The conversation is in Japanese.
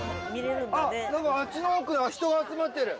あっ、なんかあっちの奥、人が集まってる。